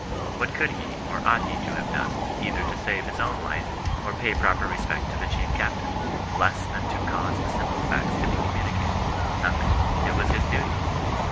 What coidd he, or ought he to have done, either to save his own life, or pay proper respect to the chief captain, less than to cause the sim ple facts to be communicated ? Kothing. It was his duty.